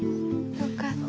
よかった。